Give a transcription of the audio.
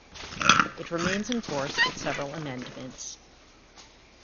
It remains in force with several amendments.